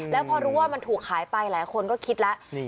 แล้วพอรู้ว่ามันถูกขายไปหลายคนก็คิดแล้ว